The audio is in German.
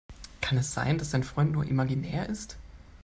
Kann es sein, dass dein Freund nur imaginär ist?